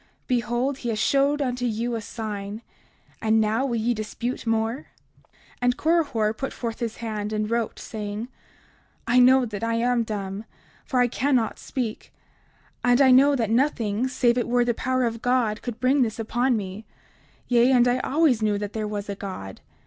Behold, he has showed unto you a sign; and now will ye dispute more? 30:52 And Korihor put forth his hand and wrote, saying: I know that I am dumb, for I cannot speak; and I know that nothing save it were the power of God could bring this upon me; yea, and I always knew that there was a God.